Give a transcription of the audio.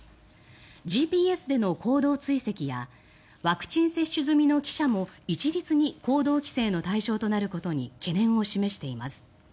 ＧＰＳでの行動追跡やワクチン接種済みの記者も一律に行動規制の対象となることに懸念を示しています。